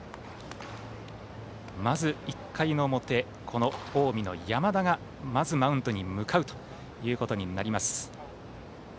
まず、１回の表、近江の山田がまずマウンドに向かうということになります。